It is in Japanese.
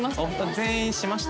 全員しました。